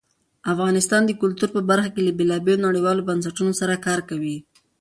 افغانستان د کلتور په برخه کې له بېلابېلو نړیوالو بنسټونو سره کار کوي.